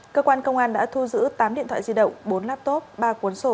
cơ quan công an đã thu giữ tám điện thoại di động bốn laptop ba cuốn sổ